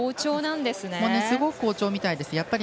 すごく好調みたいです。